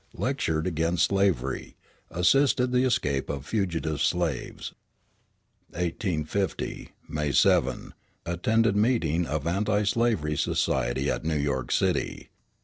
Lectured against slavery. Assisted the escape of fugitive slaves. 1850 May 7. Attended meeting of Anti slavery Society at New York City.